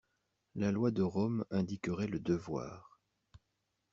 La loi de Rome indiquerait le devoir.